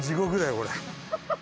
これ。